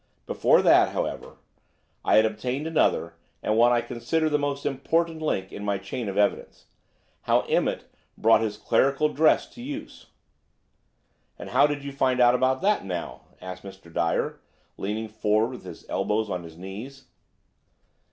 Before that, however, I had obtained another, and what I consider the most important, link in my chain of evidence–how Emmett brought his clerical dress into use." "Ah, how did you find out that now?" asked Mr. Dyer, leaning forward with his elbows on his knees.